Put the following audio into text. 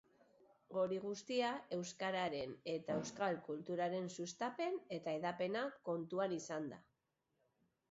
Hori guztia, euskararen eta euskal kulturaren sustapen eta hedapena kontuan izanda.